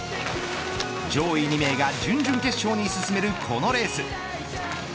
上位２名が準々決勝に進めるこのレース。